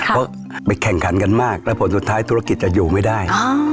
เพราะไปแข่งขันกันมากแล้วผลสุดท้ายธุรกิจจะอยู่ไม่ได้